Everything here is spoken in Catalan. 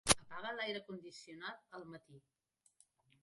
Apaga l'aire condicionat al matí.